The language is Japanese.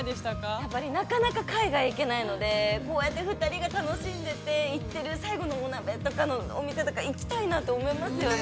◆やっぱり、なかなか海外に行けないので、こうやって２人が楽しんでて、行ってる最後のお鍋とかのお店とか行きたいなと思いますよね。